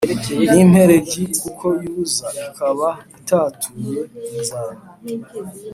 N impereryi kuko yuza ikaba itatuye inzara